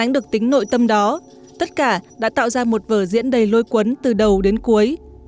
đó tất cả đã tạo ra một vở diễn đầy lôi cuốn từ đầu đến cuối